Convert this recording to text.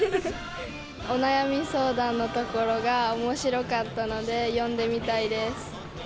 お悩み相談のところがおもしろかったので、読んでみたいです。